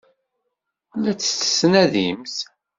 La tt-tettnadimt?